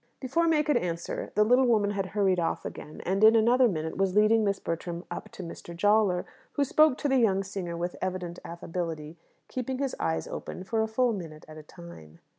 Before May could answer the little woman had hurried off again, and in another minute was leading Miss Bertram up to Mr. Jawler, who spoke to the young singer with evident affability, keeping his eyes open for a full minute at a time.